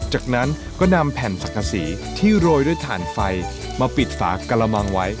จากนั้นก็นำแผ่นสังกษีที่โรยด้วยถ่านไฟมาปิดฝากระมังไว้